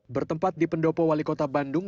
bertempat di pendopo wali kota bandung